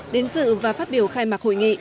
đến dự và phát biểu khai mạc hội nghị